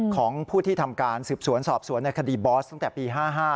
ของผู้ที่ทำการสืบสวนสอบสวนในคดีบอสตั้งแต่ปี๕๕